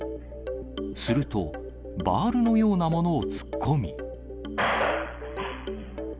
すると、バールのようなものを突っ込み。